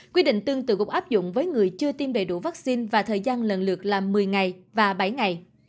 quy định tương tự gục áp dụng với người chưa tiêm đầy đủ vaccine và thời gian lần lượt là một mươi ngày và bảy ngày